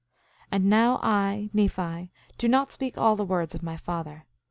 8:29 And now I, Nephi, do not speak all the words of my father.